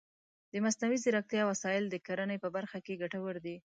د مصنوعي ځیرکتیا وسایل د کرنې په برخه کې ګټور دي.